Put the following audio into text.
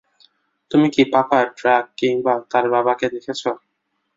তুমি কি পাপা ড্রাক কিংবা তোমার বাবাকে দেখছ।